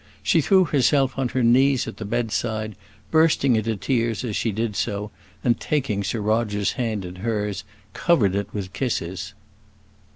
She threw herself on her knees at the bedside, bursting into tears as she did so, and taking Sir Roger's hand in hers covered it with kisses.